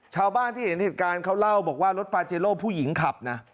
ชาวบ้านที่เห็นเหตุการณ์เขาเล่าบอกว่ารถปาเจโร่ผู้หญิงขับนะ